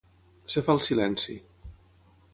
Es fa el silenci.